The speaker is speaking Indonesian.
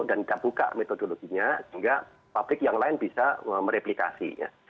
dan kita buka metodologinya sehingga publik yang lain bisa mereplikasi